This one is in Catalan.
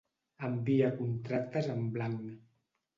Envia contractes en blanc.